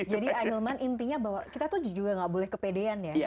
jadi ahilman intinya bahwa kita tuh juga nggak boleh kepedean ya